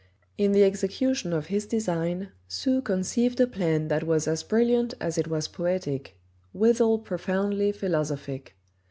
In the execution of his design, Sue conceived a plan that was as brilliant as it was poetic withal profoundly philosophic.